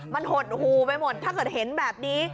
มันหดหูไปหมดถ้าเกิดเห็นแบบนี้